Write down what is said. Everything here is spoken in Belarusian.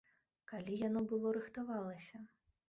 Калі яно было рыхтавалася?!